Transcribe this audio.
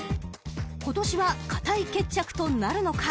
［今年は堅い決着となるのか］